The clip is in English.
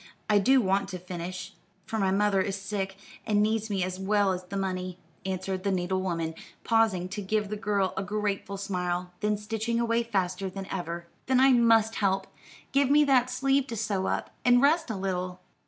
I do want to finish, for my mother is sick, and needs me as well as the money," answered the needle woman, pausing to give the girl a grateful smile, then stitching away faster than ever. "Then I must help. Give me that sleeve to sew up, and rest a little.